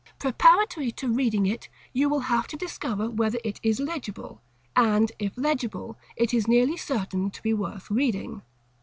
Preparatory to reading it, you will have to discover whether it is legible (and, if legible, it is nearly certain to be worth reading).